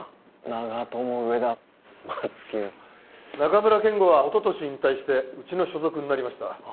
長友上田松木中村憲剛はおととし引退してうちの所属になりました